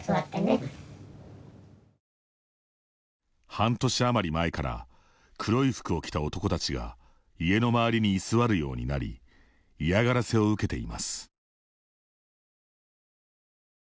半年余り前から黒い服を着た男たちが家の周りに居座るようになり嫌がらせを受けています。